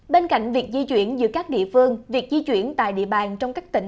bên cạnh việc di chuyển giữa các địa phương việc di chuyển tại địa bàn trong các tỉnh